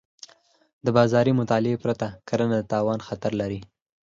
د بازار مطالعې پرته کرنه د تاوان خطر لري.